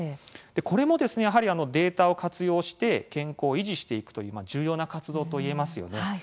これも、やはりデータを活用して健康を維持していくという重要な活動といえますよね。